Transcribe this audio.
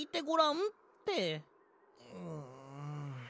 うん。